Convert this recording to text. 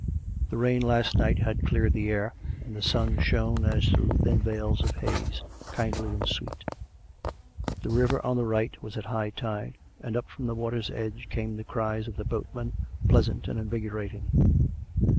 The rain last night had cleared the air, and the sun shone as through thin veils of haze, kindly and sweet. The river on the right was at high tide, and up from the water's edge came the cries of the boatmen, pleasant and invigor ating.